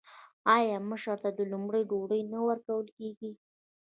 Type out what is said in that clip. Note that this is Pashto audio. آیا مشر ته لومړی ډوډۍ نه ورکول کیږي؟